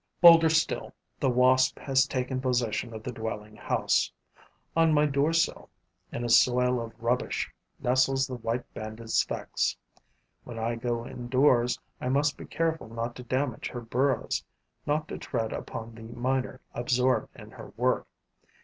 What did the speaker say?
Bolder still, the wasp has taken possession of the dwelling house. On my door sill, in a soil of rubbish, nestles the white banded Sphex: when I go indoors, I must be careful not to damage her burrows, not to tread upon the miner absorbed in her work.